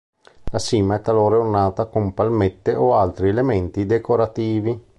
La sima è talora ornata con palmette o altri elementi decorativi.